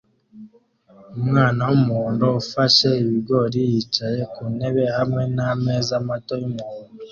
Umwana wumuhondo ufashe ibigori yicaye ku ntebe hamwe nameza mato yumuhondo